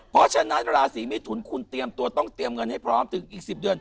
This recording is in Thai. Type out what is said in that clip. เพราะฉะนั้นราศีมิถุนคุณเตรียมตัวต้องเตรียมเงินให้พร้อมถึงอีก๑๐เดือน